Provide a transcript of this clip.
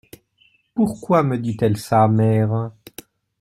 Pourquoi me dit-elle ça, mère ?